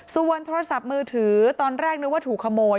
ส่วนโทรศัพท์มือถือตอนแรกนึกว่าถูกขโมย